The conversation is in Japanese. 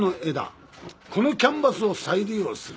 このキャンバスを再利用する。